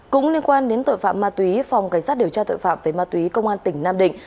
cũng liên quan đến tội phạm ma túy phòng cảnh sát điều tra tội phạm về ma túy công an tỉnh nam định